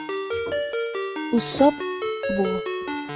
Usopp: Búho.